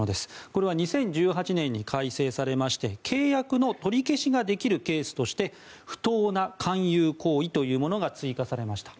これは２０１８年に改正されまして契約の取り消しができるケースとして不当な勧誘行為というものが追加されました。